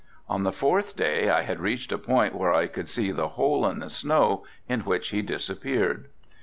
On the fourth day I had reached a point where I could see the hole in the snow in which he disappeared.